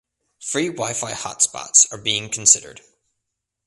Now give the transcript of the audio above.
Free Wifi hotspots are being considered